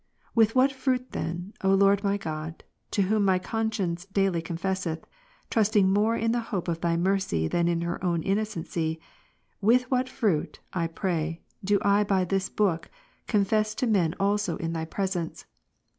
With what fruit then, O Lord my God, to Whom my conscience daily confesseth, trusting more in the hope of Thy mercy than in her own innocency, with what fruit, I pray, do I by this book, confess to men also in Thy presence.